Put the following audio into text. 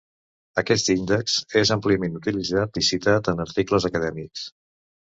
Aquest índex és àmpliament utilitzat i citat en articles acadèmics.